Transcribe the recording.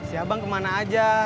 si abang kemana aja